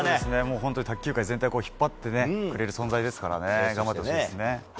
本当、卓球界全体を引っ張っていってくれる存在ですから頑張ってほしいですね。